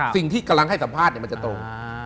สิ่งที่กำลังให้สัมภาษณ์มันจะตรง